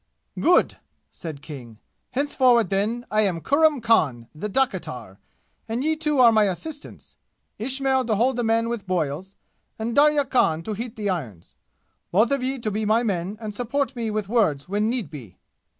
"Good!" said King. "Henceforward, then, I am Kurram Khan, the dakitar, and ye two are my assistants, Ismail to hold the men with boils, and Darya Khan to heat the irons both of ye to be my men and support me with words when need be!"